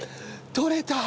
取れた！